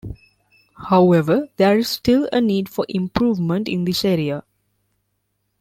However, there is still a need for improvement in this area.